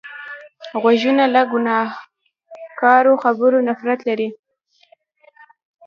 غوږونه له ګناهکارو خبرو نفرت لري